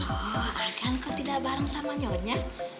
oh arjan kok tidak bareng sama nyonya